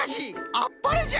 あっぱれじゃ！